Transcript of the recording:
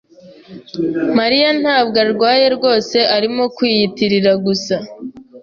Mariya ntabwo arwaye rwose. Arimo kwiyitirira gusa.